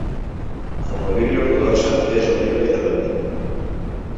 En la Bíblia ortodoxa és un llibre independent.